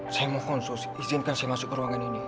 saya mohon sus izinkan saya masuk ke ruangan ini